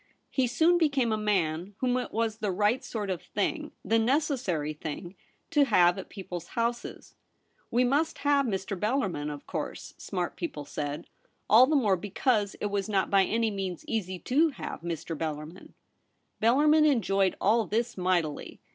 He soon became a man whom it was the right sort of thing, the necessary thing, to have at people's houses. * We must have Mr. Bellarmin, of course,' smart people said, all the more be cause it was not by any means easy to have Mr. Bellarmin. 204 THE REBEL ROSE. Bellarmin enjoyed all this mightily.